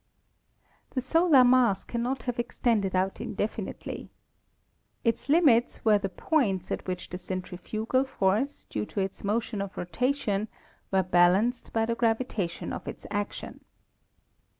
The solar mass cannot have extended out indefi nitely. Its limits were the points at which the centrifugal force due to its motion of rotation were balanced by the gravitation of its action.